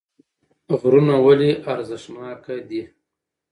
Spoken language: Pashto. غرونه ولې ارزښتناکه دي